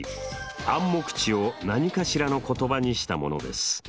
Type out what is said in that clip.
暗黙知を何かしらの言葉にしたものです。